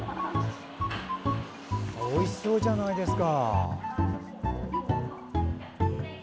おいしそうじゃないですか。